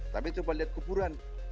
tapi coba lihat kuburan